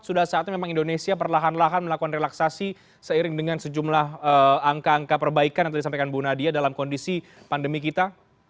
sudah saatnya memang indonesia perlahan lahan melakukan relaksasi seiring dengan sejumlah angka angka perbaikan yang tadi disampaikan bu nadia dalam kondisi pandemi kita